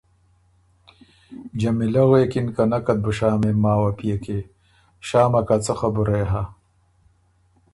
جمیلۀ غوېکِن که ”نکت بُو شامېم ماوه پئے کی شامه کۀ څۀ خبُره يې هۀ“